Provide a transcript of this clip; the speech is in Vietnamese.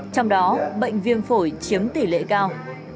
trong đó bệnh viêm phổi chiếm tỷ lệ cao